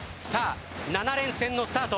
７連戦のスタート